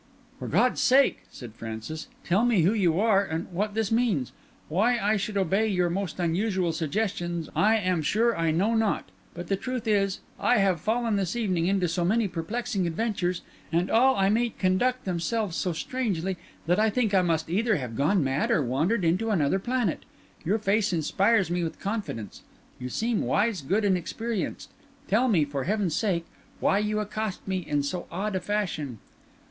"For God's sake," said Francis, "tell me who you are and what this means? Why I should obey your most unusual suggestions I am sure I know not; but the truth is, I have fallen this evening into so many perplexing adventures, and all I meet conduct themselves so strangely, that I think I must either have gone mad or wandered into another planet. Your face inspires me with confidence; you seem wise, good, and experienced; tell me, for heaven's sake, why you accost me in so odd a fashion?"